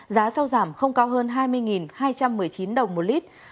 giá sau giảm không cao hơn hai mươi hai trăm một mươi chín đồng một lít